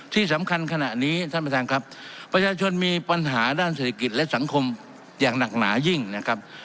ที่สำคัญขณะนี้ท่านประธานครับประชาชนมีปัญหาด้านเศรษฐกิจและสังคมอย่างหนักหนายิ่งนะครับ